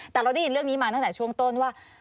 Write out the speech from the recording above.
แต่เราได้ยินเรื่องนี้มาตั้งแต่ช่วงต้นว่า